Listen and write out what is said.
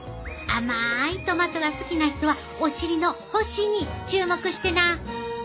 甘いトマトが好きな人はお尻の星に注目してな！